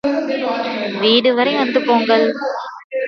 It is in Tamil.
வீடுவரை வந்து போங்கள்.